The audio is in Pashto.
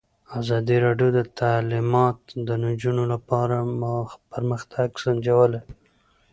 ازادي راډیو د تعلیمات د نجونو لپاره پرمختګ سنجولی.